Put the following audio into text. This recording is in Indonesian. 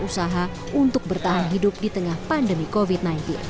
usaha untuk bertahan hidup di tengah pandemi covid sembilan belas